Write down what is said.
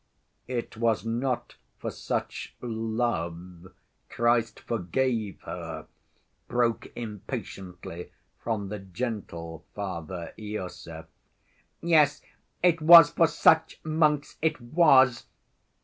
" "It was not for such love Christ forgave her," broke impatiently from the gentle Father Iosif. "Yes, it was for such, monks, it was!